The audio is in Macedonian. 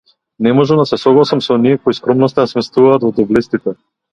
Не можам да се согласам со оние кои скромноста ја сместуваат во доблестите.